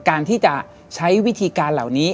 การที่จะใช้วิธีการเหล่านี้